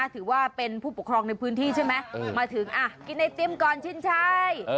ถือว่าเป็นผู้ปกครองในพื้นที่ใช่ไหมมาถึงกินไอติมก่อนชินชัย